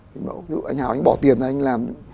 ví dụ như anh hào anh bỏ tiền ra anh làm